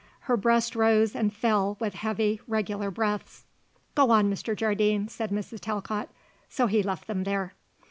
Her breast rose and fell with heavy, regular breaths. "Go on, Mr. Jardine," said Mrs. Talcott. So he left them there.